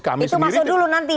itu masuk dulu nanti